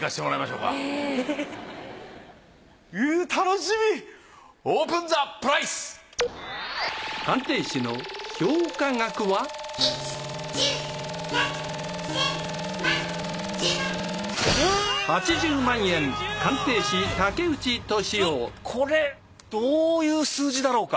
うんこれどういう数字だろうか？